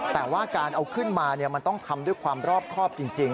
แต่ว่าการเอาขึ้นมามันต้องทำด้วยความรอบครอบจริง